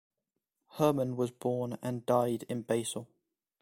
Hermann was born and died in Basel.